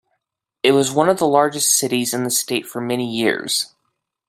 It was one of the largest cities in the state for many years.